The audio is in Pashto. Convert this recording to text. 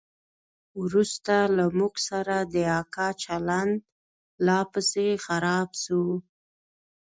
وروسته له موږ سره د اکا چلند لا پسې خراب سو.